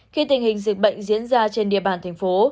khi tình hình dịch bệnh diễn ra trên địa bàn thành phố